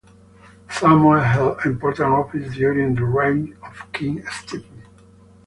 Samuel held important offices during the reign of King Stephen.